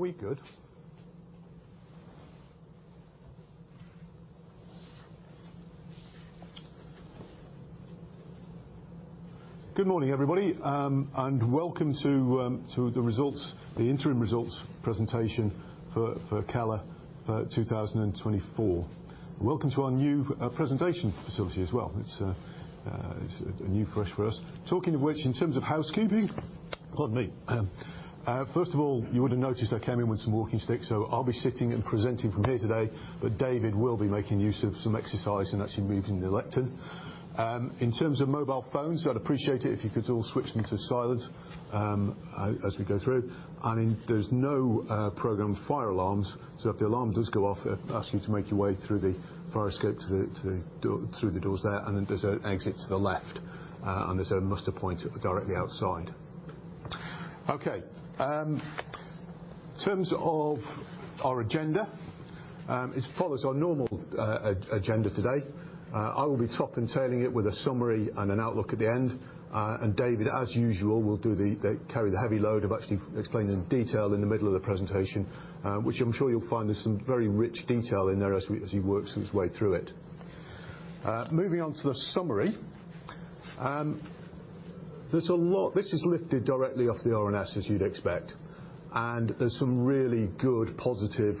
Are we good? Good morning, everybody, and welcome to the interim results presentation for Keller for 2024. Welcome to our new presentation facility as well. It's a new fresh for us. Talking of which, in terms of housekeeping, pardon me, first of all, you would have noticed I came in with some walking sticks, so I'll be sitting and presenting from here today, but David will be making use of some exercise and actually moving the lectern. In terms of mobile phones, I'd appreciate it if you could all switch them to silent as we go through. There's no programmed fire alarms, so if the alarm does go off, I'll ask you to make your way through the fire escape through the doors there. Then there's an exit to the left, and there's a muster point directly outside. Okay. In terms of our agenda, it follows our normal agenda today. I will be topping and tailing it with a summary and an outlook at the end. David, as usual, will carry the heavy load of actually explaining in detail in the middle of the presentation, which I'm sure you'll find there's some very rich detail in there as he works his way through it. Moving on to the summary, this is lifted directly off the RNS, as you'd expect. There's some really good positive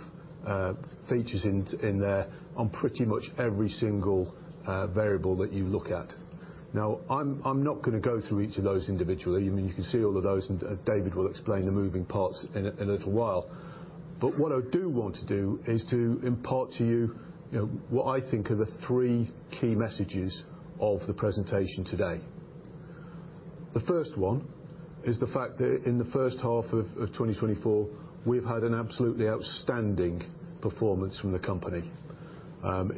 features in there on pretty much every single variable that you look at. Now, I'm not going to go through each of those individually. I mean, you can see all of those, and David will explain the moving parts in a little while. But what I do want to do is to impart to you what I think are the three key messages of the presentation today. The first one is the fact that in the first half of 2024, we've had an absolutely outstanding performance from the company.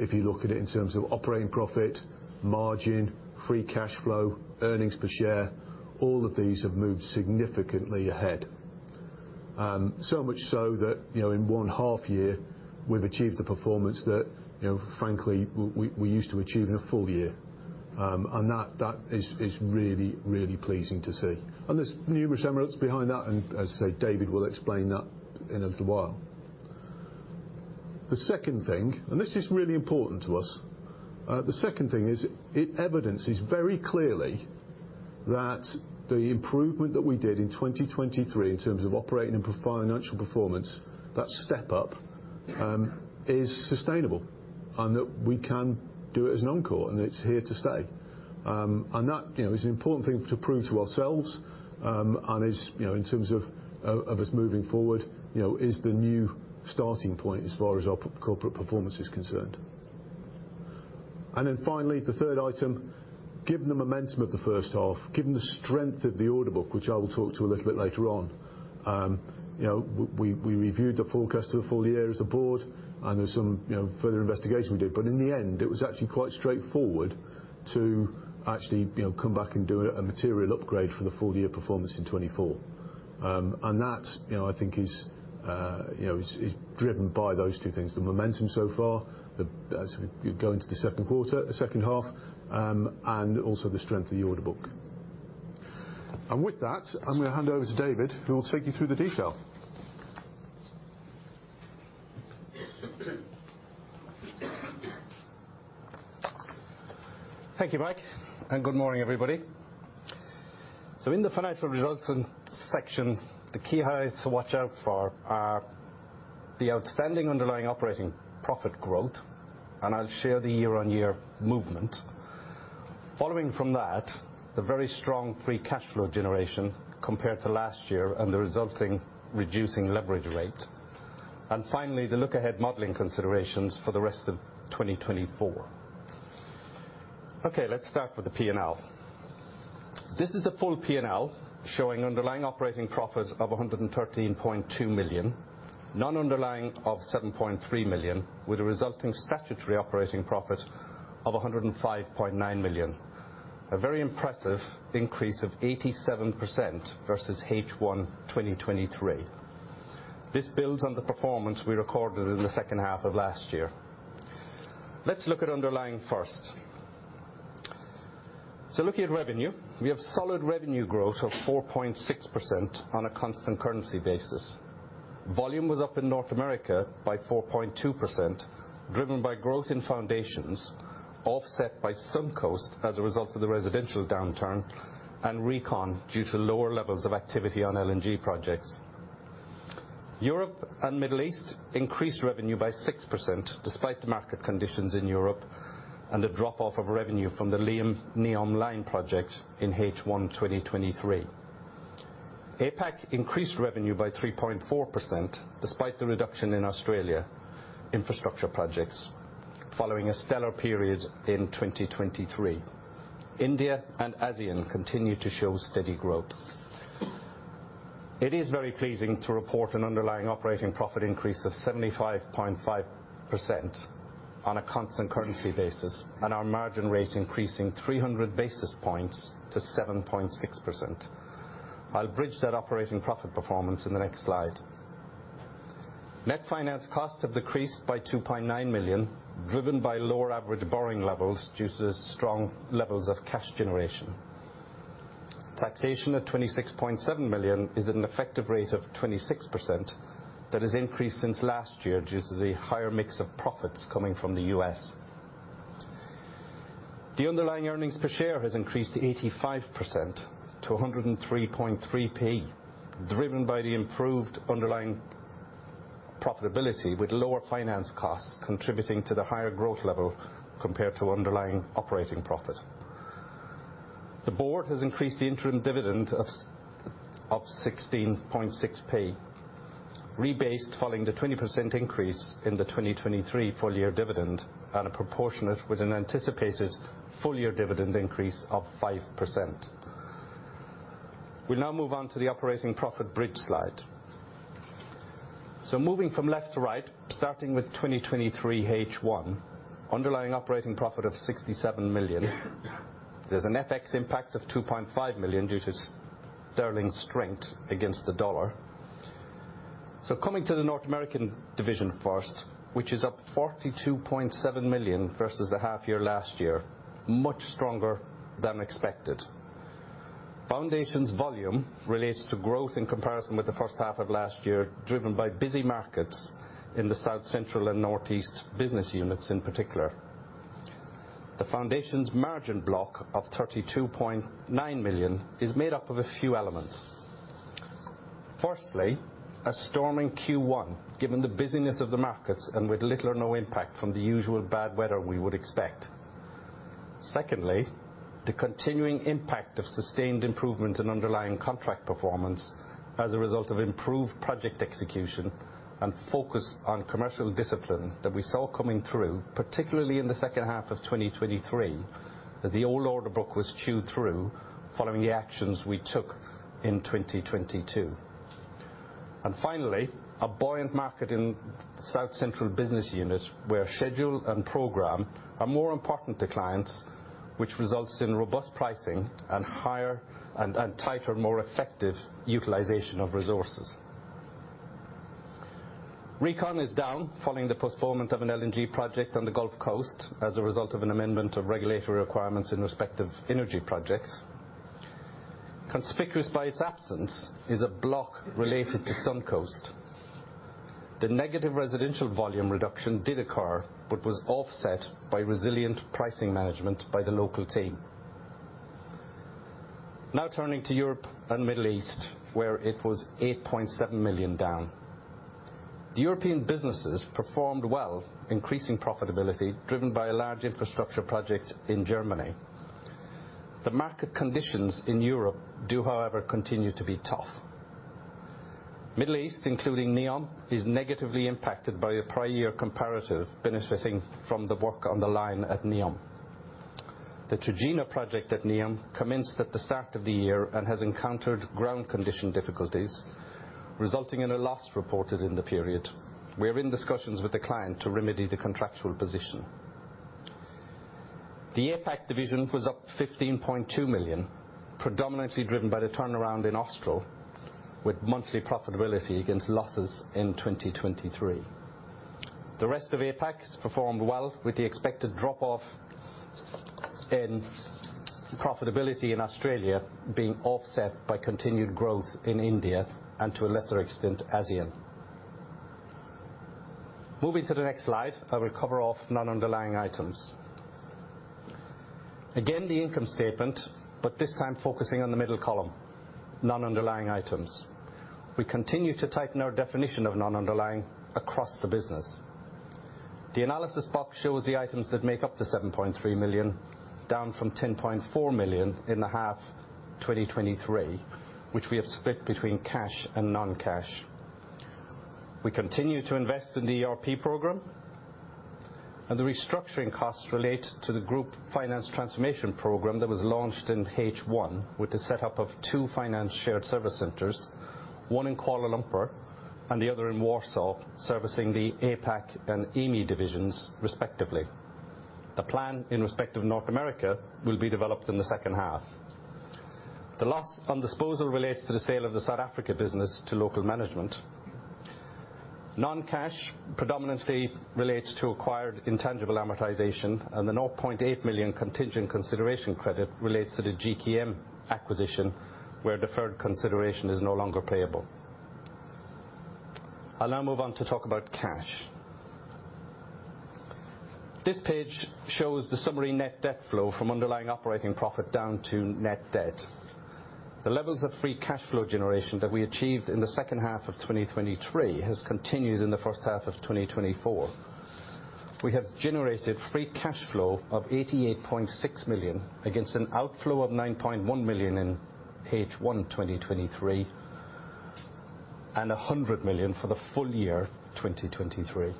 If you look at it in terms of operating profit, margin, free cash flow, earnings per share, all of these have moved significantly ahead. So much so that in one half year, we've achieved a performance that, frankly, we used to achieve in a full year. And that is really, really pleasing to see. And there's numerous elements behind that, and as I say, David will explain that in a little while. The second thing, and this is really important to us, the second thing is it evidences very clearly that the improvement that we did in 2023 in terms of operating and financial performance, that step up, is sustainable, and that we can do it as an encore, and it's here to stay. And that is an important thing to prove to ourselves, and in terms of us moving forward, is the new starting point as far as our corporate performance is concerned. And then finally, the third item, given the momentum of the first half, given the strength of the order book, which I will talk to a little bit later on, we reviewed the forecast of the full year as a Board, and there's some further investigation we did. But in the end, it was actually quite straightforward to actually come back and do a material upgrade for the full year performance in 2024. And that, I think, is driven by those two things: the momentum so far, as we go into the second quarter, the second half, and also the strength of the order book. With that, I'm going to hand over to David, who will take you through the detail. Thank you, Mike. And good morning, everybody. So in the financial results section, the key highs to watch out for are the outstanding underlying operating profit growth, and I'll share the year-on-year movement. Following from that, the very strong free cash flow generation compared to last year and the resulting reducing leverage rate. And finally, the look-ahead modeling considerations for the rest of 2024. Okay, let's start with the P&L. This is the full P&L showing underlying operating profit of 113.2 million, non-underlying of 7.3 million, with a resulting statutory operating profit of 105.9 million. A very impressive increase of 87% versus H1 2023. This builds on the performance we recorded in the second half of last year. Let's look at underlying first. So looking at revenue, we have solid revenue growth of 4.6% on a constant currency basis. Volume was up in North America by 4.2%, driven by growth in foundations, offset by Suncoast as a result of the residential downturn, and RECON due to lower levels of activity on LNG projects. Europe and Middle East increased revenue by 6% despite the market conditions in Europe and a drop-off of revenue from The Line project in H1 2023. APAC increased revenue by 3.4% despite the reduction in Australia infrastructure projects, following a stellar period in 2023. India and ASEAN continue to show steady growth. It is very pleasing to report an underlying operating profit increase of 75.5% on a constant currency basis, and our margin rate increasing 300 basis points to 7.6%. I'll bridge that operating profit performance in the next slide. Net finance costs have decreased by 2.9 million, driven by lower average borrowing levels due to strong levels of cash generation. Taxation at 26.7 million is at an effective rate of 26% that has increased since last year due to the higher mix of profits coming from the U.S. The underlying earnings per share has increased 85% to 103.3p, driven by the improved underlying profitability with lower finance costs contributing to the higher growth level compared to underlying operating profit. The Board has increased the interim dividend of 16.6p, rebased following the 20% increase in the 2023 full year dividend, and a proportionate with an anticipated full year dividend increase of 5%. We'll now move on to the operating profit bridge slide. So moving from left to right, starting with 2023 H1, underlying operating profit of 67 million. There's an FX impact of 2.5 million due to sterling strength against the dollar. So coming to the North American division first, which is up 42.7 million versus the half year last year, much stronger than expected. Foundations volume relates to growth in comparison with the first half of last year, driven by busy markets in the South, Central, and Northeast business units in particular. The foundation's margin block of 32.9 million is made up of a few elements. Firstly, a storming Q1, given the busyness of the markets and with little or no impact from the usual bad weather we would expect. Secondly, the continuing impact of sustained improvement in underlying contract performance as a result of improved project execution and focus on commercial discipline that we saw coming through, particularly in the second half of 2023, as the old order book was chewed through following the actions we took in 2022. And finally, a buoyant market in South Central business units where schedule and program are more important to clients, which results in robust pricing and tighter, more effective utilization of resources. RECON is down following the postponement of an LNG project on the Gulf Coast as a result of an amendment of regulatory requirements in respect of energy projects. Conspicuous by its absence is a block related to Suncoast. The negative residential volume reduction did occur, but was offset by resilient pricing management by the local team. Now turning to Europe and Middle East, where it was 8.7 million down. The European businesses performed well, increasing profitability driven by a large infrastructure project in Germany. The market conditions in Europe do, however, continue to be tough. Middle East, including Neom, is negatively impacted by a prior year comparative benefiting from the work on the Line at Neom. The Trojena project at Neom commenced at the start of the year and has encountered ground condition difficulties, resulting in a loss reported in the period. We are in discussions with the client to remedy the contractual position. The APAC division was up 15.2 million, predominantly driven by the turnaround in Austral, with monthly profitability against losses in 2023. The rest of APAC has performed well, with the expected drop-off in profitability in Australia being offset by continued growth in India and, to a lesser extent, ASEAN. Moving to the next slide, I will cover off non-underlying items. Again, the income statement, but this time focusing on the middle column, non-underlying items. We continue to tighten our definition of non-underlying across the business. The analysis box shows the items that make up 7.3 million, down from 10.4 million in the half 2023, which we have split between cash and non-cash. We continue to invest in the ERP program and the restructuring costs related to the Group Finance Transformation Program that was launched in H1, with the setup of two finance shared service centers, one in Kuala Lumpur and the other in Warsaw, servicing the APAC and EME divisions, respectively. The plan, in respect of North America, will be developed in the second half. The loss on disposal relates to the sale of the South Africa business to local management. Non-cash predominantly relates to acquired intangible amortization, and the 0.8 million contingent consideration credit relates to the GKM acquisition, where deferred consideration is no longer payable. I'll now move on to talk about cash. This page shows the summary net debt flow from underlying operating profit down to net debt. The levels of free cash flow generation that we achieved in the second half of 2023 have continued in the first half of 2024. We have generated free cash flow of 88.6 million against an outflow of 9.1 million in H1 2023 and 100 million for the full year 2023.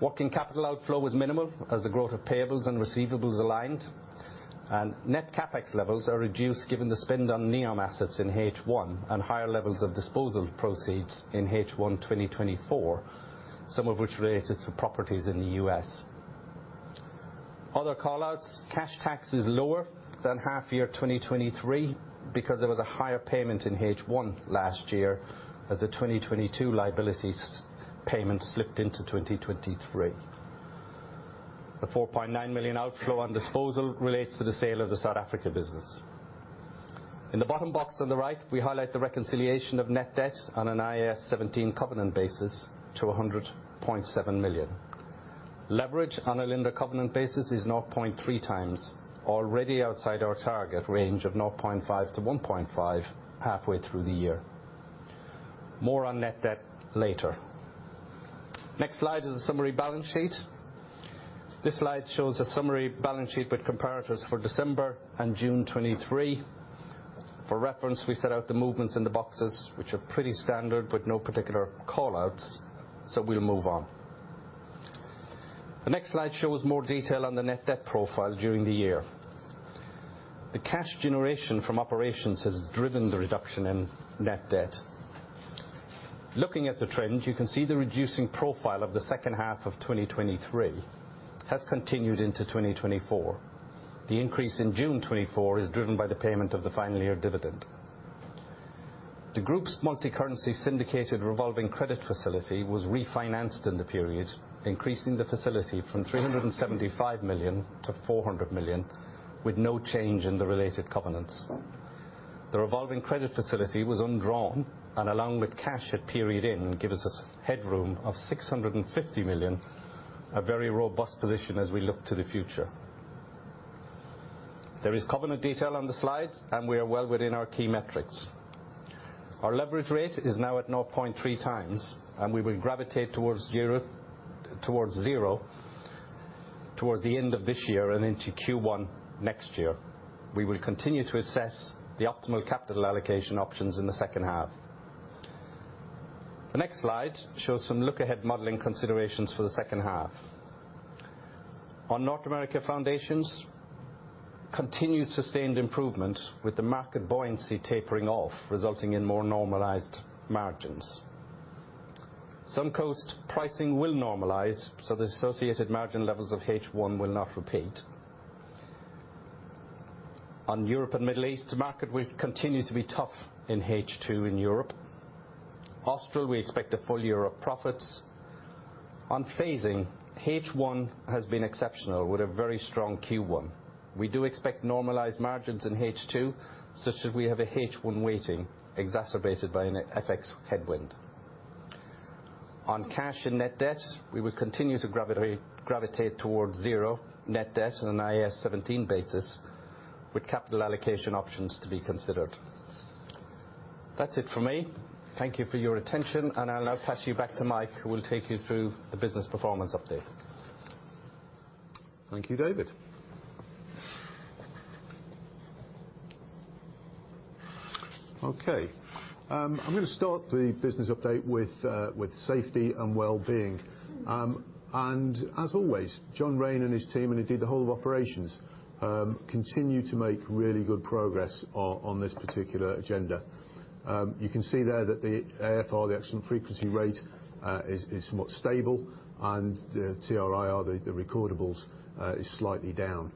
Working capital outflow was minimal as the growth of payables and receivables aligned, and net CapEx levels are reduced given the spend on Neom assets in H1 and higher levels of disposal proceeds in H1 2024, some of which related to properties in the U.S. Other callouts: cash tax is lower than half year 2023 because there was a higher payment in H1 last year as the 2022 liabilities payment slipped into 2023. The 4.9 million outflow on disposal relates to the sale of the South Africa business. In the bottom box on the right, we highlight the reconciliation of net debt on an IAS 17 covenant basis to 100.7 million. Leverage on a lender covenant basis is 0.3 times, already outside our target range of 0.5-1.5 halfway through the year. More on net debt later. Next slide is a summary balance sheet. This slide shows a summary balance sheet with comparatives for December and June 2023. For reference, we set out the movements in the boxes, which are pretty standard with no particular callouts, so we'll move on. The next slide shows more detail on the net debt profile during the year. The cash generation from operations has driven the reduction in net debt. Looking at the trend, you can see the reducing profile of the second half of 2023 has continued into 2024. The increase in June 2024 is driven by the payment of the final year dividend. The group's multi-currency syndicated revolving credit facility was refinanced in the period, increasing the facility from 375 million-400 million, with no change in the related covenants. The revolving credit facility was undrawn, and along with cash at period end, gives us a headroom of 650 million, a very robust position as we look to the future. There is covenant detail on the slides, and we are well within our key metrics. Our leverage rate is now at 0.3 times, and we will gravitate towards zero towards the end of this year and into Q1 next year. We will continue to assess the optimal capital allocation options in the second half. The next slide shows some look-ahead modeling considerations for the second half. On North America foundations, continued sustained improvement with the market buoyancy tapering off, resulting in more normalized margins. Suncoast pricing will normalize, so the associated margin levels of H1 will not repeat. On Europe and Middle East, the market will continue to be tough in H2 in Europe. Austral, we expect a full year of profits. On phasing, H1 has been exceptional with a very strong Q1. We do expect normalized margins in H2, such as we have a H1 weighting exacerbated by an FX headwind. On cash and net debt, we will continue to gravitate towards zero net debt on an IAS 17 basis, with capital allocation options to be considered. That's it for me. Thank you for your attention, and I'll now pass you back to Mike, who will take you through the business performance update. Thank you, David. Okay. I'm going to start the business update with safety and well-being. And as always, John Raine and his team, and indeed the whole of operations, continue to make really good progress on this particular agenda. You can see there that the AFR, the accident frequency rate, is somewhat stable, and the TRIR, the recordables, is slightly down.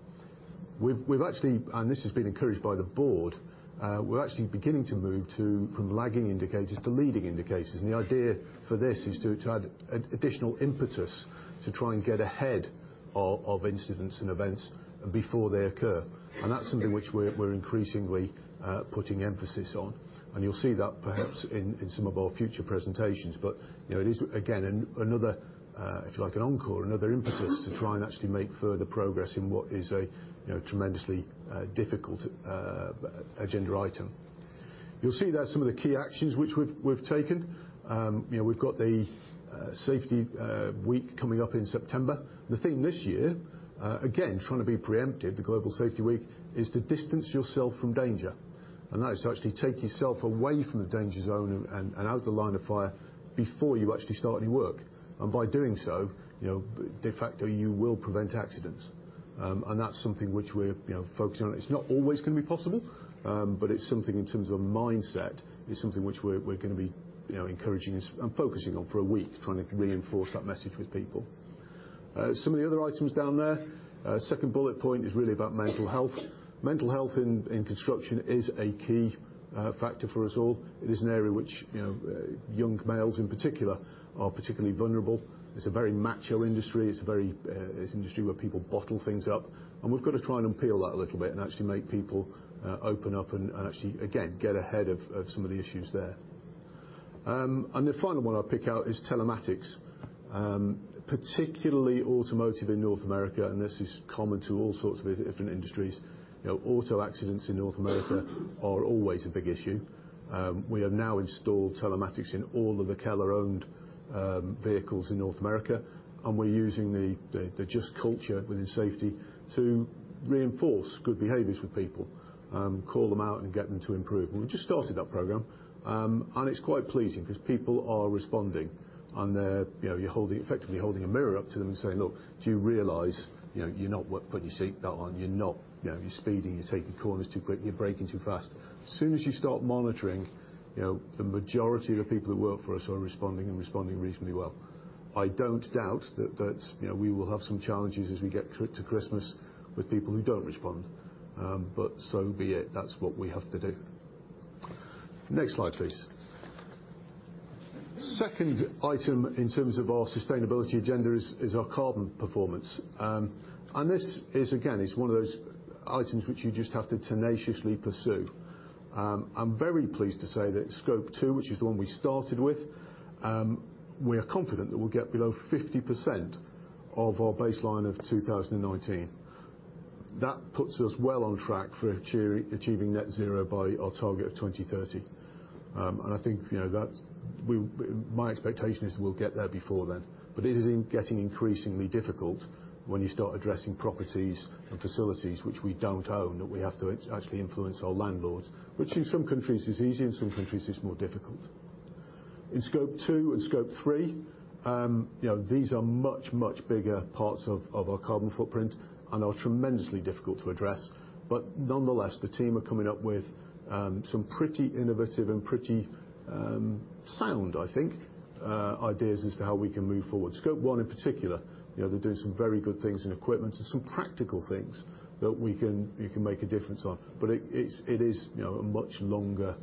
We've actually, and this has been encouraged by the Board, we're actually beginning to move from lagging indicators to leading indicators. And the idea for this is to add additional impetus to try and get ahead of incidents and events before they occur. And that's something which we're increasingly putting emphasis on. And you'll see that perhaps in some of our future presentations. But it is, again, another, if you like, an encore, another impetus to try and actually make further progress in what is a tremendously difficult agenda item. You'll see there are some of the key actions which we've taken. We've got the safety week coming up in September. The theme this year, again, trying to be preemptive, the Global Safety Week, is to distance yourself from danger. And that is to actually take yourself away from the danger zone and out of the line of fire before you actually start any work. And by doing so, de facto you will prevent accidents. And that's something which we're focusing on. It's not always going to be possible, but it's something in terms of mindset, it's something which we're going to be encouraging and focusing on for a week, trying to reinforce that message with people. Some of the other items down there, second bullet point is really about mental health. Mental health in construction is a key factor for us all. It is an area which young males in particular are particularly vulnerable. It's a very macho industry. It's an industry where people bottle things up. And we've got to try and unpeel that a little bit and actually make people open up and actually, again, get ahead of some of the issues there. And the final one I'll pick out is telematics, particularly automotive in North America. And this is common to all sorts of different industries. Auto accidents in North America are always a big issue. We have now installed telematics in all of the Keller-owned vehicles in North America. And we're using the Just Culture within safety to reinforce good behaviors with people, call them out, and get them to improve. We've just started that program. It's quite pleasing because people are responding. You're effectively holding a mirror up to them and saying, "Look, do you realize you're not putting your seatbelt on? You're not speeding. You're taking corners too quickly. You're braking too fast." As soon as you start monitoring, the majority of the people that work for us are responding and responding reasonably well. I don't doubt that we will have some challenges as we get to Christmas with people who don't respond. But so be it. That's what we have to do. Next slide, please. Second item in terms of our sustainability agenda is our carbon performance. This is, again, one of those items which you just have to tenaciously pursue. I'm very pleased to say that Scope 2, which is the one we started with, we are confident that we'll get below 50% of our baseline of 2019. That puts us well on track for achieving Net Zero by our target of 2030. And I think my expectation is we'll get there before then. But it is getting increasingly difficult when you start addressing properties and facilities which we don't own that we have to actually influence our landlords, which in some countries is easy, in some countries it's more difficult. In Scope 2 and Scope 3, these are much, much bigger parts of our carbon footprint and are tremendously difficult to address. But nonetheless, the team are coming up with some pretty innovative and pretty sound, I think, ideas as to how we can move forward. Scope 1, in particular, they're doing some very good things in equipment and some practical things that you can make a difference on. But it is a much longer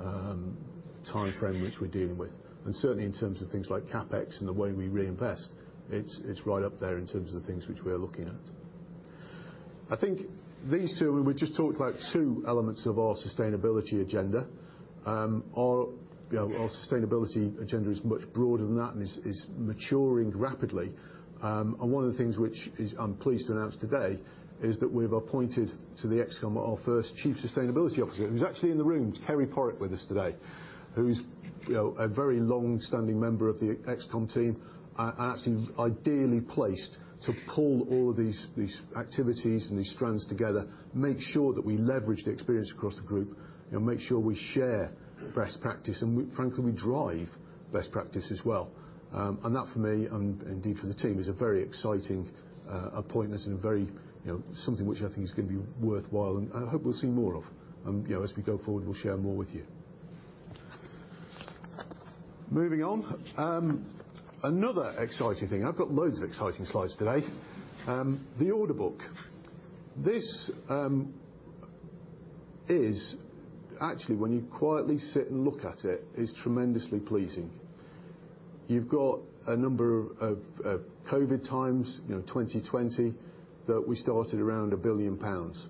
timeframe which we're dealing with. And certainly in terms of things like CapEx and the way we reinvest, it's right up there in terms of the things which we are looking at. I think these two, we've just talked about two elements of our sustainability agenda. Our sustainability agenda is much broader than that and is maturing rapidly. One of the things which I'm pleased to announce today is that we've appointed to the ExCom our first Chief Sustainability Officer, who's actually in the room, Kerry Porritt with us today, who's a very long-standing member of the ExCom team and actually ideally placed to pull all of these activities and these strands together, make sure that we leverage the experience across the group, make sure we share best practice. And frankly, we drive best practice as well. And that for me and indeed for the team is a very exciting appointment and something which I think is going to be worthwhile. And I hope we'll see more of. And as we go forward, we'll share more with you. Moving on. Another exciting thing. I've got loads of exciting slides today. The order book. This is actually, when you quietly sit and look at it, is tremendously pleasing. You've got a number of COVID times, 2020, that we started around 1 billion pounds.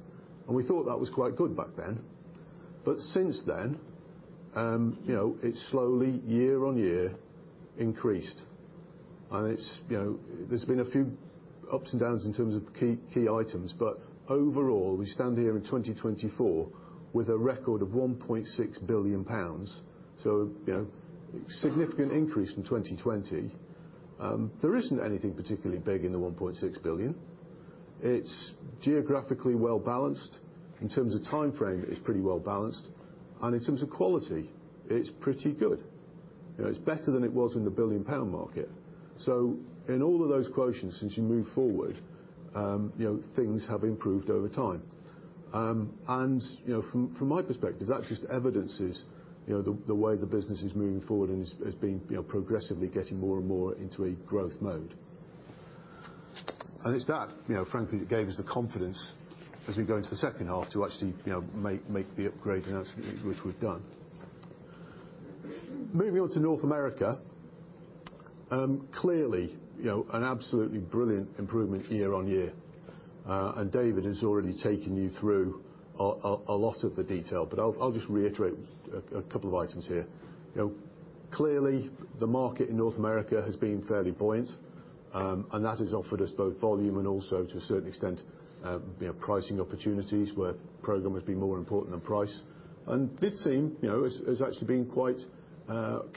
We thought that was quite good back then. Since then, it's slowly, year-on-year, increased. There's been a few ups and downs in terms of key items. Overall, we stand here in 2024 with a record of 1.6 billion pounds. Significant increase from 2020. There isn't anything particularly big in the 1.6 billion. It's geographically well-balanced. In terms of timeframe, it's pretty well-balanced. In terms of quality, it's pretty good. It's better than it was in the billion-pound market. In all of those quotients, since you move forward, things have improved over time. From my perspective, that just evidences the way the business is moving forward and has been progressively getting more and more into a growth mode. It's that, frankly, that gave us the confidence as we go into the second half to actually make the upgrade announcement, which we've done. Moving on to North America, clearly an absolutely brilliant improvement year-on-year. David has already taken you through a lot of the detail. But I'll just reiterate a couple of items here. Clearly, the market in North America has been fairly buoyant. And that has offered us both volume and also, to a certain extent, pricing opportunities where program has been more important than price. And this team has actually been quite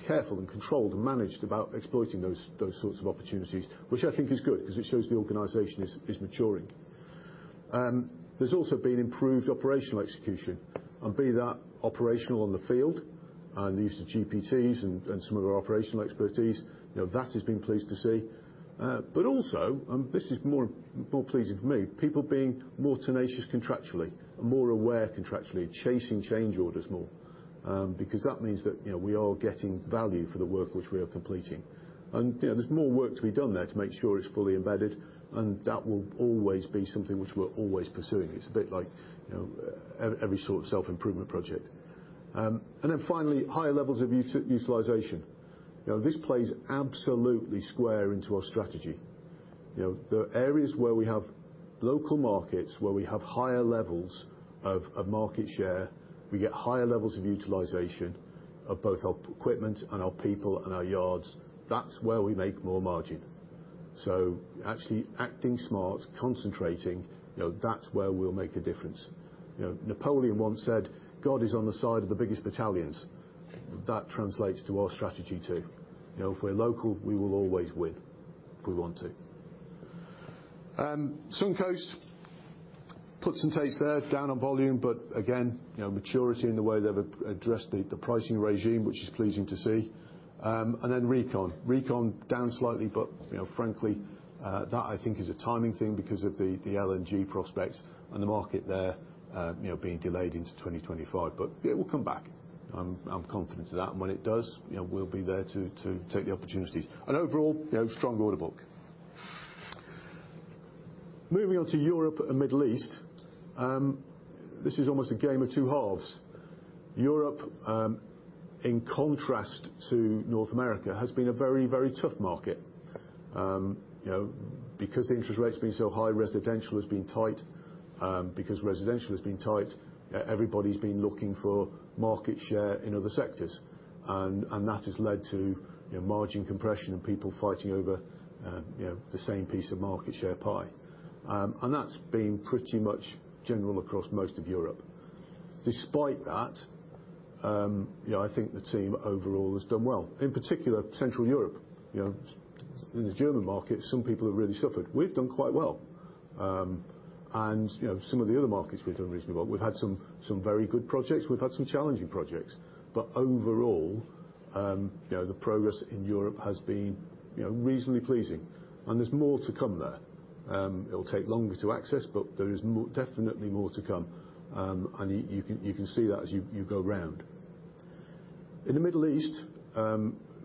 careful and controlled and managed about exploiting those sorts of opportunities, which I think is good because it shows the organization is maturing. There's also been improved operational execution. And we've been that operational on the field and the use of GPTs and some of our operational expertise, that has been pleasing to see. But also, and this is more pleasing to me, people being more tenacious contractually, more aware contractually, chasing change orders more, because that means that we are getting value for the work which we are completing. And there's more work to be done there to make sure it's fully embedded. And that will always be something which we're always pursuing. It's a bit like every sort of self-improvement project. And then finally, higher levels of utilization. This plays absolutely square into our strategy. The areas where we have local markets, where we have higher levels of market share, we get higher levels of utilization of both our equipment and our people and our yards. That's where we make more margin. So actually acting smart, concentrating, that's where we'll make a difference. Napoleon once said, "God is on the side of the biggest battalions." That translates to our strategy too. If we're local, we will always win if we want to. Suncoast, puts and takes there, down on volume, but again, maturity in the way they've addressed the pricing regime, which is pleasing to see. And then Recon. Recon down slightly, but frankly, that I think is a timing thing because of the LNG prospects and the market there being delayed into 2025. But it will come back. I'm confident of that. And when it does, we'll be there to take the opportunities. And overall, strong order book. Moving on to Europe and Middle East. This is almost a game of two halves. Europe, in contrast to North America, has been a very, very tough market because the interest rate's been so high. Residential has been tight. Because residential has been tight, everybody's been looking for market share in other sectors. And that has led to margin compression and people fighting over the same piece of market share pie. And that's been pretty much general across most of Europe. Despite that, I think the team overall has done well. In particular, Central Europe. In the German market, some people have really suffered. We've done quite well. And some of the other markets, we've done reasonably well. We've had some very good projects. We've had some challenging projects. But overall, the progress in Europe has been reasonably pleasing. And there's more to come there. It'll take longer to access, but there is definitely more to come. You can see that as you go round. In the Middle East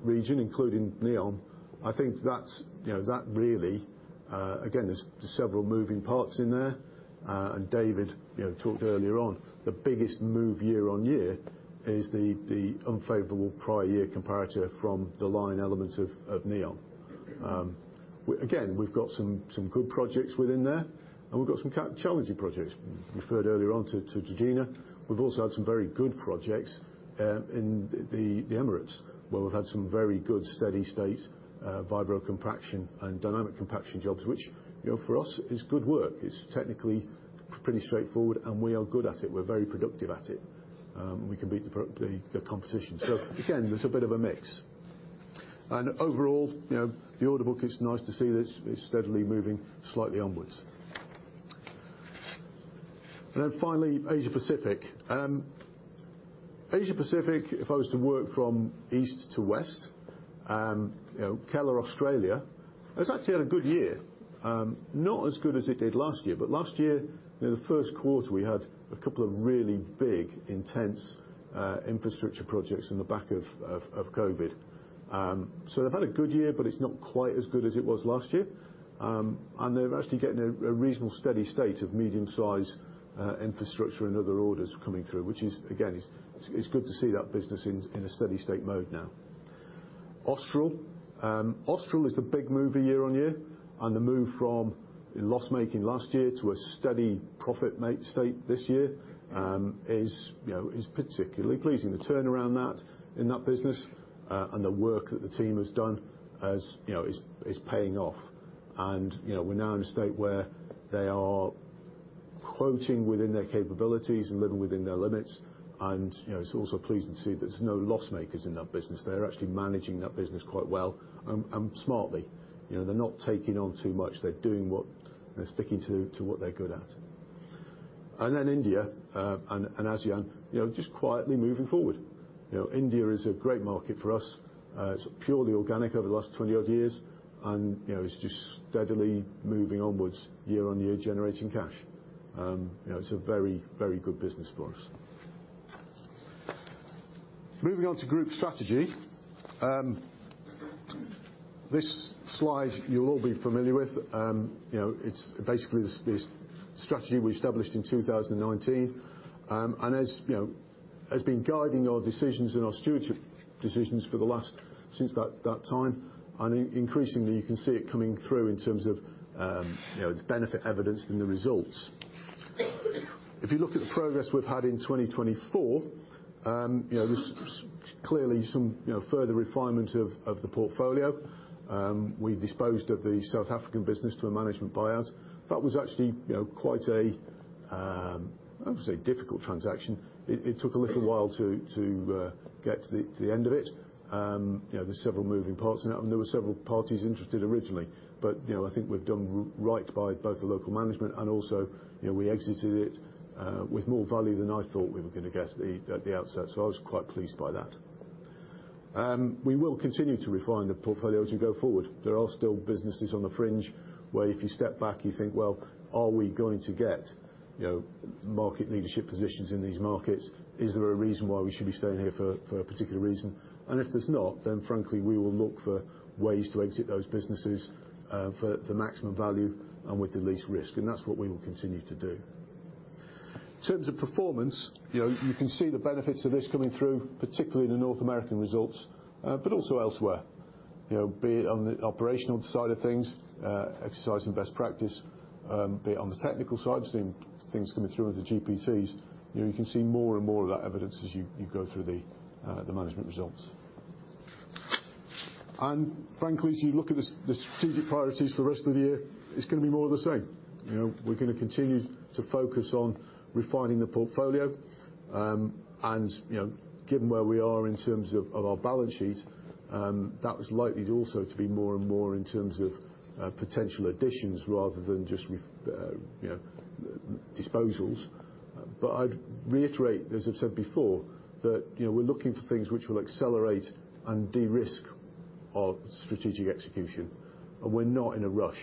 region, including Neom, I think that really, again, there's several moving parts in there. And David talked earlier on, the biggest move year-on-year is the unfavorable prior year comparator from The Line element of Neom. Again, we've got some good projects within there. And we've got some challenging projects. We referred earlier on to Trojena. We've also had some very good projects in the Emirates, where we've had some very good steady state vibro compaction and dynamic compaction jobs, which for us is good work. It's technically pretty straightforward, and we are good at it. We're very productive at it. We can beat the competition. So again, there's a bit of a mix. And overall, the order book, it's nice to see that it's steadily moving slightly onwards. And then finally, Asia-Pacific. Asia-Pacific, if I was to work from east to west, Keller Australia has actually had a good year. Not as good as it did last year. But last year, in the first quarter, we had a couple of really big, intense infrastructure projects in the back of COVID. So they've had a good year, but it's not quite as good as it was last year. And they're actually getting a reasonable steady state of medium-sized infrastructure and other orders coming through, which is, again, it's good to see that business in a steady state mode now. Austral. Austral is the big move year-on-year. And the move from loss-making last year to a steady profit state this year is particularly pleasing. The turnaround in that business and the work that the team has done is paying off. And we're now in a state where they are quoting within their capabilities and living within their limits. And it's also pleasing to see that there's no loss-makers in that business. They're actually managing that business quite well and smartly. They're not taking on too much. They're sticking to what they're good at. And then India and ASEAN, just quietly moving forward. India is a great market for us. It's purely organic over the last 20-odd years. And it's just steadily moving onwards year-on-year, generating cash. It's a very, very good business for us. Moving on to group strategy. This slide you'll all be familiar with. It's basically this strategy we established in 2019 and has been guiding our decisions and our stewardship decisions since that time. And increasingly, you can see it coming through in terms of the benefit evidenced in the results. If you look at the progress we've had in 2024, there's clearly some further refinement of the portfolio. We disposed of the South African business to a management buyout. That was actually quite a, I would say, difficult transaction. It took a little while to get to the end of it. There's several moving parts in it. And there were several parties interested originally. But I think we've done right by both the local management. And also, we exited it with more value than I thought we were going to get at the outset. So I was quite pleased by that. We will continue to refine the portfolios and go forward. There are still businesses on the fringe where if you step back, you think, "Well, are we going to get market leadership positions in these markets? Is there a reason why we should be staying here for a particular reason?" And if there's not, then frankly, we will look for ways to exit those businesses for the maximum value and with the least risk. And that's what we will continue to do. In terms of performance, you can see the benefits of this coming through, particularly in the North American results, but also elsewhere, be it on the operational side of things, exercising best practice, be it on the technical side. I've seen things coming through with the GPTs. You can see more and more of that evidence as you go through the management results. And frankly, as you look at the strategic priorities for the rest of the year, it's going to be more of the same. We're going to continue to focus on refining the portfolio. And given where we are in terms of our balance sheet, that was likely also to be more and more in terms of potential additions rather than just disposals. But I'd reiterate, as I've said before, that we're looking for things which will accelerate and de-risk our strategic execution. We're not in a rush.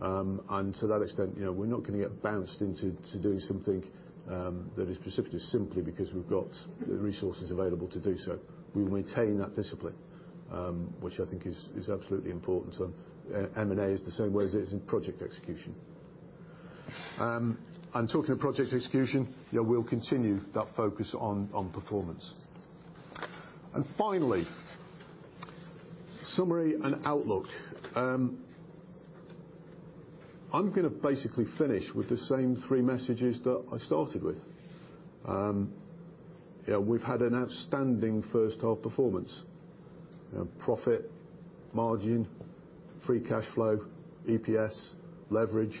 To that extent, we're not going to get bounced into doing something that is precipitous simply because we've got the resources available to do so. We will maintain that discipline, which I think is absolutely important. M&A is the same way as it is in project execution. Talking of project execution, we'll continue that focus on performance. Finally, summary and outlook. I'm going to basically finish with the same three messages that I started with. We've had an outstanding first-half performance. Profit, margin, free cash flow, EPS, leverage,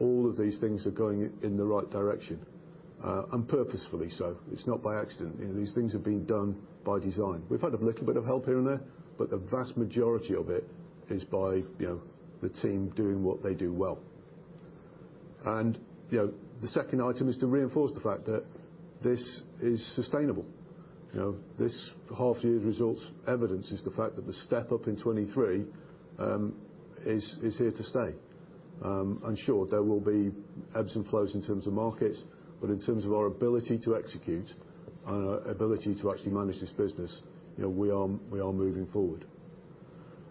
all of these things are going in the right direction. Purposefully so. It's not by accident. These things have been done by design. We've had a little bit of help here and there, but the vast majority of it is by the team doing what they do well. The second item is to reinforce the fact that this is sustainable. This half-year results evidence is the fact that the step up in 2023 is here to stay. Sure, there will be ebbs and flows in terms of markets. But in terms of our ability to execute and our ability to actually manage this business, we are moving forward.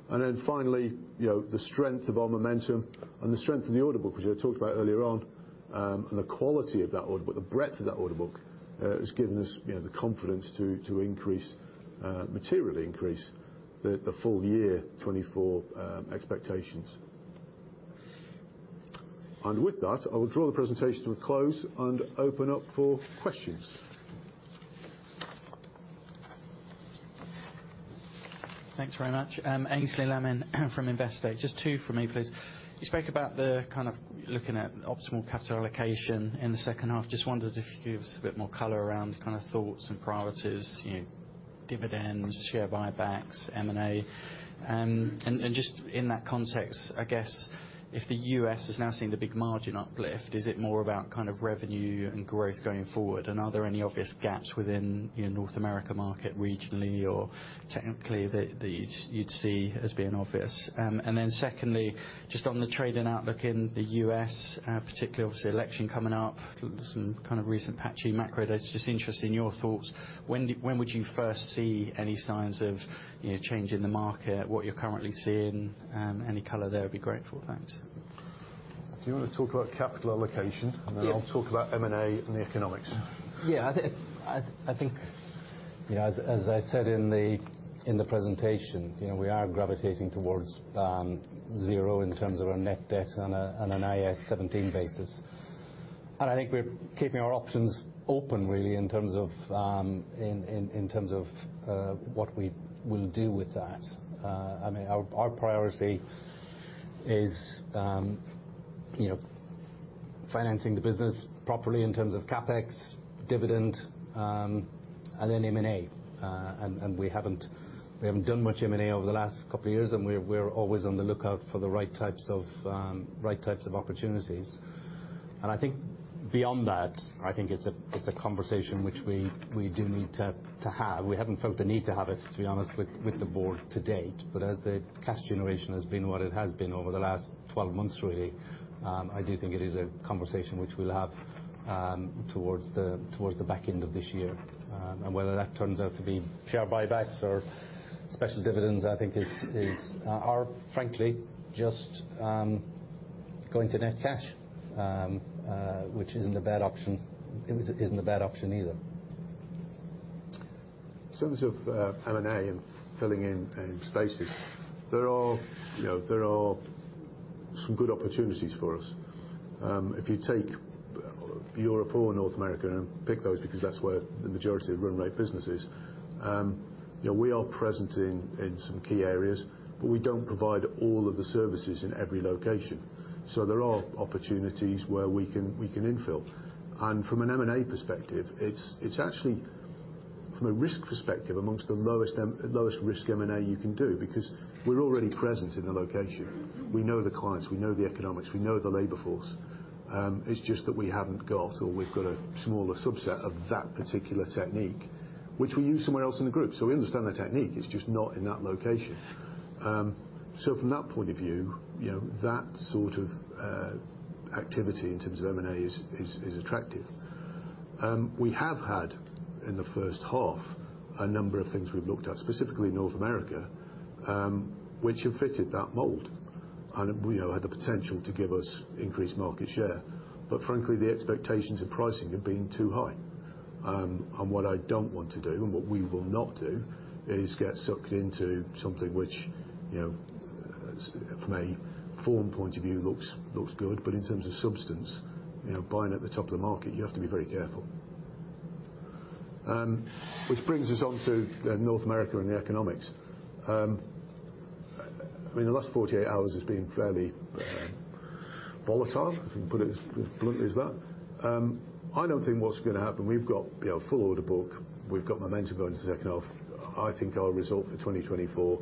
And then finally, the strength of our momentum and the strength of the order book, which I talked about earlier on, and the quality of that order book, the breadth of that order book has given us the confidence to materially increase the full year 2024 expectations. And with that, I will draw the presentation to a close and open up for questions. Thanks very much. Aynsley Lammin from Investec. Just two from me, please. You spoke about the kind of looking at optimal capital allocation in the second half. Just wondered if you could give us a bit more color around kind of thoughts and priorities, dividends, share buybacks, M&A. And just in that context, I guess, if the U.S. has now seen the big margin uplift, is it more about kind of revenue and growth going forward? Are there any obvious gaps within the North America market regionally or technically that you'd see as being obvious? And then secondly, just on the trade and outlook in the U.S., particularly, obviously, election coming up, some kind of recent patchy macro data, just interested in your thoughts. When would you first see any signs of change in the market? What you're currently seeing? Any color there would be great for us. Thanks. Do you want to talk about capital allocation? Then I'll talk about M&A and the economics. Yeah. I think, as I said in the presentation, we are gravitating towards zero in terms of our net debt on an IAS 17 basis. I think we're keeping our options open, really, in terms of what we will do with that. I mean, our priority is financing the business properly in terms of CapEx, dividend, and then M&A. And we haven't done much M&A over the last couple of years. And we're always on the lookout for the right types of opportunities. And I think beyond that, I think it's a conversation which we do need to have. We haven't felt the need to have it, to be honest, with the Board to date. But as the cash generation has been what it has been over the last 12 months, really, I do think it is a conversation which we'll have towards the back end of this year. And whether that turns out to be share buybacks or special dividends, I think, are, frankly, just going to net cash, which isn't a bad option. It isn't a bad option either. In terms of M&A and filling in spaces, there are some good opportunities for us. If you take Europe or North America and pick those because that's where the majority of run rate business is, we are present in some key areas, but we don't provide all of the services in every location. So there are opportunities where we can infill. From an M&A perspective, it's actually, from a risk perspective, among the lowest risk M&A you can do because we're already present in the location. We know the clients. We know the economics. We know the labor force. It's just that we haven't got or we've got a smaller subset of that particular technique, which we use somewhere else in the group. So we understand the technique. It's just not in that location. So from that point of view, that sort of activity in terms of M&A is attractive. We have had, in the first half, a number of things we've looked at, specifically North America, which have fitted that mold and had the potential to give us increased market share. But frankly, the expectations of pricing have been too high. What I don't want to do and what we will not do is get sucked into something which, from a form point of view, looks good. But in terms of substance, buying at the top of the market, you have to be very careful. Which brings us on to North America and the economics. I mean, the last 48 hours has been fairly volatile, if you can put it as bluntly as that. I don't think what's going to happen. We've got a full order book. We've got momentum going into the second half. I think our result for 2024,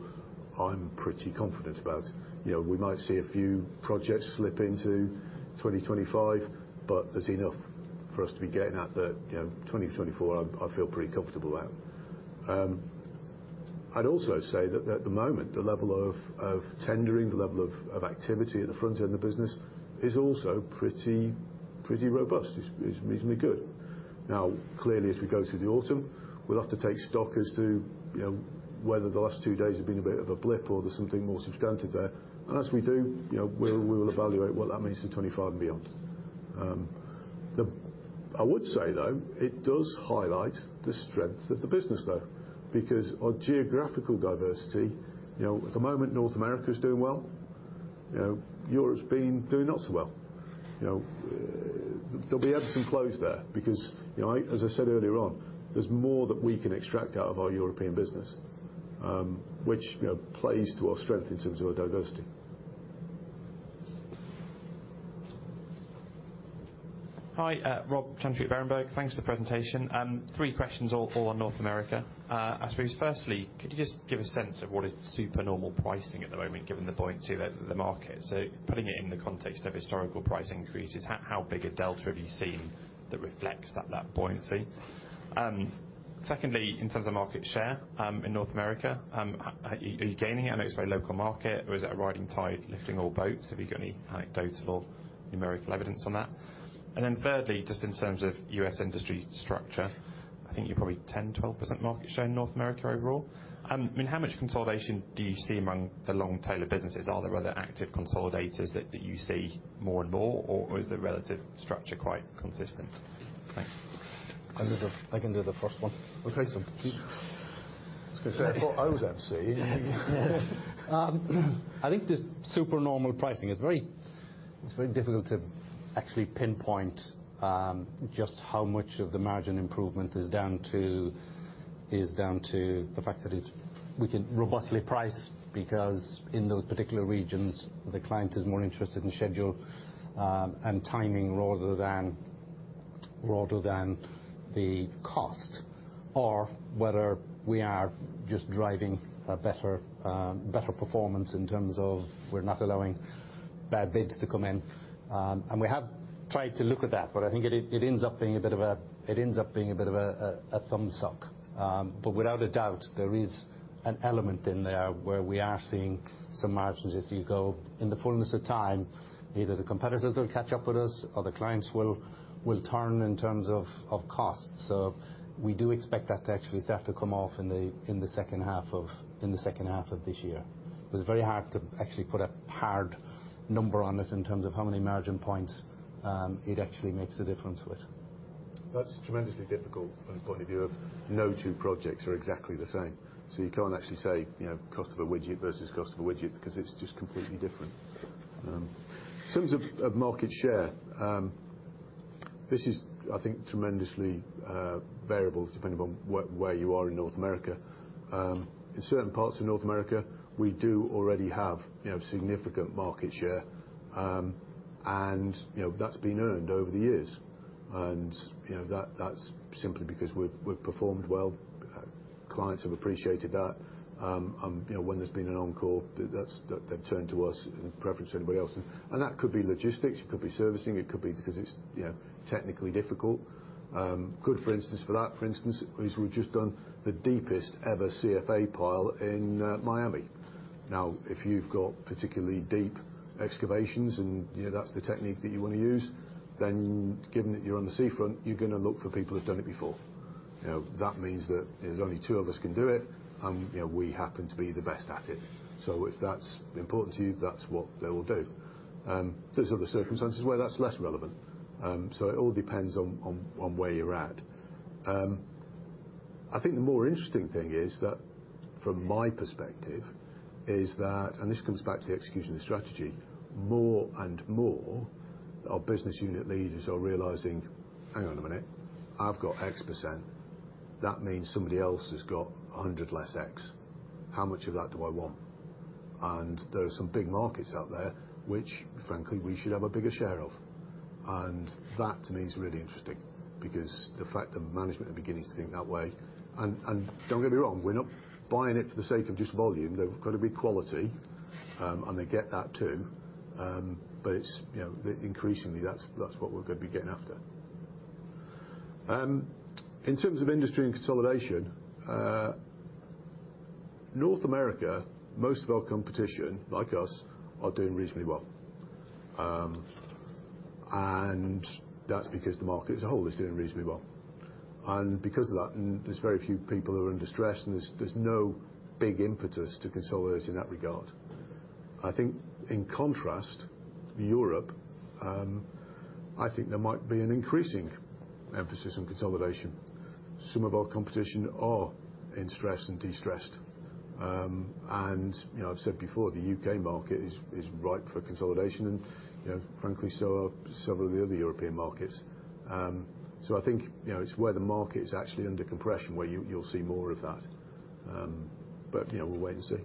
I'm pretty confident about. We might see a few projects slip into 2025, but there's enough for us to be getting at that 2024 I feel pretty comfortable at. I'd also say that at the moment, the level of tendering, the level of activity at the front end of the business is also pretty robust. It's reasonably good. Now, clearly, as we go through the autumn, we'll have to take stock as to whether the last two days have been a bit of a blip or there's something more substantive there. As we do, we will evaluate what that means for 2025 and beyond. I would say, though, it does highlight the strength of the business, though, because our geographical diversity, at the moment, North America is doing well. Europe's been doing not so well. There'll be ebbs and flows there because, as I said earlier on, there's more that we can extract out of our European business, which plays to our strength in terms of our diversity. Hi, Rob Chantry at Berenberg. Thanks for the presentation. Three questions, all on North America. I suppose, firstly, could you just give a sense of what is supernormal pricing at the moment, given the buoyancy of the market? So putting it in the context of historical price increases, how big a delta have you seen that reflects that buoyancy? Secondly, in terms of market share in North America, are you gaining it? I know it's very local market. Or is it a riding tide, lifting all boats? Have you got any anecdotal or numerical evidence on that? And then thirdly, just in terms of U.S. industry structure, I think you're probably 10%-12% market share in North America overall. I mean, how much consolidation do you see among the long-tailed businesses? Are there other active consolidators that you see more and more, or is the relative structure quite consistent? Thanks. I can do the first one. Okay. So I thought I was emceeing. I think the supernormal pricing is very difficult to actually pinpoint just how much of the margin improvement is down to the fact that we can robustly price because in those particular regions, the client is more interested in schedule and timing rather than the cost, or whether we are just driving a better performance in terms of we're not allowing bad bids to come in. We have tried to look at that, but I think it ends up being a bit of a thumbs-up. But without a doubt, there is an element in there where we are seeing some margins. If you go in the fullness of time, either the competitors will catch up with us or the clients will turn in terms of cost. So we do expect that to actually start to come off in the second half of this year. It was very hard to actually put a hard number on it in terms of how many margin points it actually makes a difference with. That's tremendously difficult from the point of view of no two projects are exactly the same. So you can't actually say cost of a widget versus cost of a widget because it's just completely different. In terms of market share, this is, I think, tremendously variable depending on where you are in North America. In certain parts of North America, we do already have significant market share. That's been earned over the years. That's simply because we've performed well. Clients have appreciated that. When there's been an encore, they've turned to us and preferred to anybody else. That could be logistics. It could be servicing. It could be because it's technically difficult. Good, for instance, for that, for instance, is we've just done the deepest ever CFA pile in Miami. Now, if you've got particularly deep excavations and that's the technique that you want to use, then given that you're on the seafront, you're going to look for people who've done it before. That means that there's only two of us can do it, and we happen to be the best at it. So if that's important to you, that's what they will do. There's other circumstances where that's less relevant. So it all depends on where you're at. I think the more interesting thing is that, from my perspective, is that, and this comes back to execution and strategy, more and more, our business unit leaders are realizing, "Hang on a minute. I've got X%. That means somebody else has got 100 less X. How much of that do I want?" And there are some big markets out there which, frankly, we should have a bigger share of. And that, to me, is really interesting because the fact that management are beginning to think that way, and don't get me wrong, we're not buying it for the sake of just volume. They've got to be quality, and they get that too. But increasingly, that's what we're going to be getting after. In terms of industry and consolidation, North America, most of our competition, like us, are doing reasonably well. And that's because the market as a whole is doing reasonably well. And because of that, there's very few people who are under stress, and there's no big impetus to consolidate in that regard. I think, in contrast, Europe, I think there might be an increasing emphasis on consolidation. Some of our competition are in stress and de-stressed. And I've said before, the U.K. market is ripe for consolidation, and frankly, so are several of the other European markets. So I think it's where the market is actually under compression where you'll see more of that. But we'll wait and see.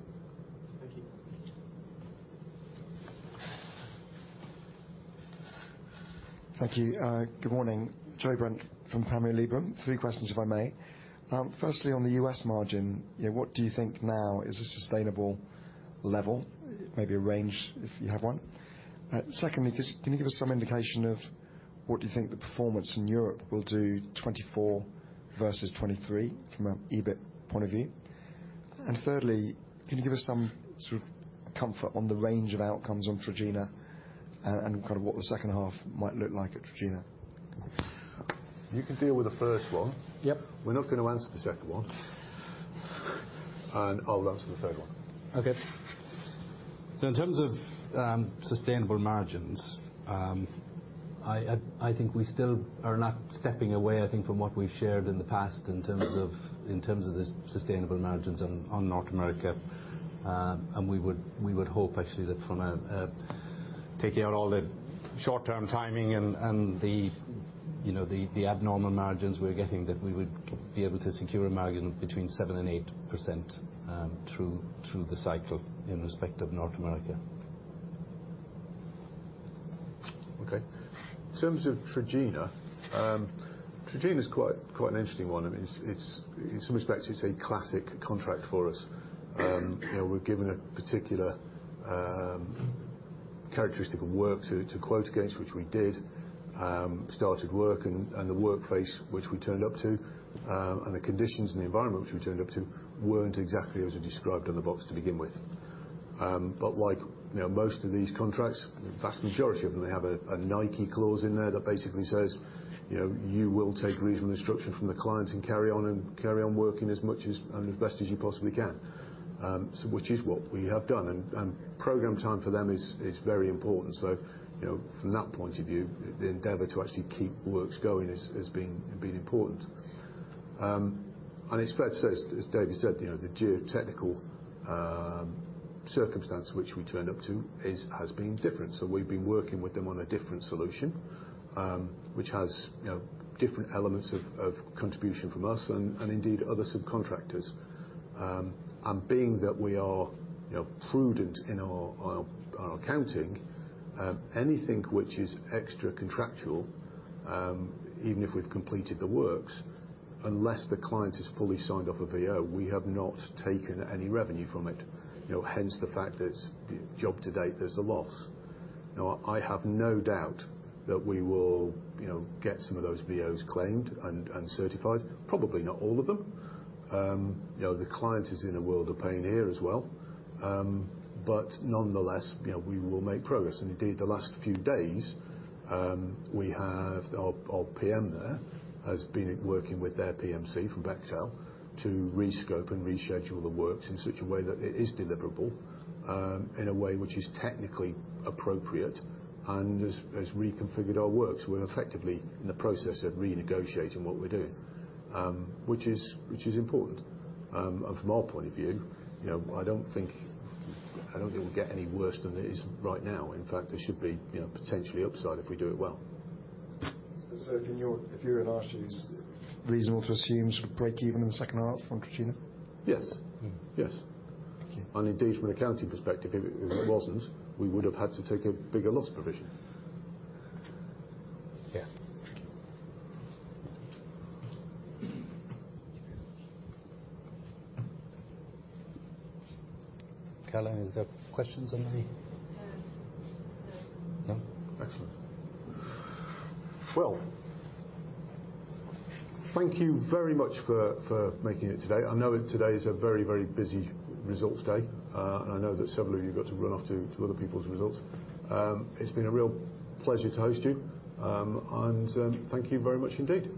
Thank you. Thank you. Good morning. Joe Brent from Panmure Liberum. Three questions, if I may. Firstly, on the U.S. margin, what do you think now is a sustainable level? Maybe a range if you have one. Secondly, can you give us some indication of what do you think the performance in Europe will do 2024 versus 2023 from an EBIT point of view? And thirdly, can you give us some sort of comfort on the range of outcomes on Trojena and kind of what the second half might look like at Trojena? You can deal with the first one. We're not going to answer the second one. And I'll answer the third one. Okay. So in terms of sustainable margins, I think we still are not stepping away, I think, from what we've shared in the past in terms of the sustainable margins on North America. We would hope, actually, that from taking out all the short-term timing and the abnormal margins we're getting, that we would be able to secure a margin between 7% and 8% through the cycle in respect of North America. Okay. In terms of Trojena, Trojena is quite an interesting one. I mean, in some respects, it's a classic contract for us. We're given a particular characteristic of work to quote against, which we did. Started work, and the workplace which we turned up to and the conditions and the environment which we turned up to weren't exactly as we described on the box to begin with. But like most of these contracts, the vast majority of them, they have a Nike clause in there that basically says, "You will take reasonable instruction from the clients and carry on and carry on working as much and as best as you possibly can," which is what we have done. And program time for them is very important. So from that point of view, the endeavor to actually keep works going has been important. And it's fair to say, as David said, the geotechnical circumstance which we turned up to has been different. So we've been working with them on a different solution which has different elements of contribution from us and indeed other subcontractors. Being that we are prudent in our accounting, anything which is extra contractual, even if we've completed the works, unless the client has fully signed off a VO, we have not taken any revenue from it. Hence the fact that job-to-date, there's a loss. I have no doubt that we will get some of those VOs claimed and certified. Probably not all of them. The client is in a world of pain here as well. But nonetheless, we will make progress. Indeed, the last few days, our PM there has been working with their PMC from Bechtel to rescope and reschedule the works in such a way that it is deliverable in a way which is technically appropriate and has reconfigured our works. We're effectively in the process of renegotiating what we're doing, which is important. From our point of view, I don't think it will get any worse than it is right now. In fact, there should be potentially upside if we do it well. So if you were in our shoes, reasonable to assume sort of break-even in the second half from Trojena? Yes. Yes. And indeed, from an accounting perspective, if it wasn't, we would have had to take a bigger loss provision. Yeah. Thank you. Thank you very much. Keller, is there questions on the? No. No? Excellent. Well, thank you very much for making it today. I know today is a very, very busy results day. And I know that several of you got to run off to other people's results. It's been a real pleasure to host you. And thank you very much indeed.